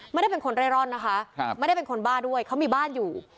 ไม่ได้เป็นคนเร่ร่อนนะคะไม่ได้เป็นคนบ้าด้วยเขามีบ้านอยู่